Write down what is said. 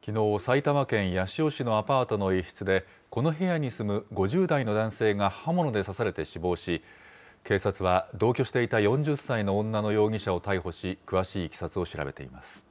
きのう、埼玉県八潮市のアパートの一室で、この部屋に住む５０代の男性が刃物で刺されて死亡し、警察は、同居していた４０歳の女の容疑者を逮捕し、詳しいいきさつを調べています。